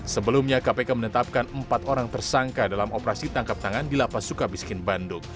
sebelumnya kpk menetapkan empat orang tersangka dalam operasi tangkap tangan dilapas sukabiskin bandung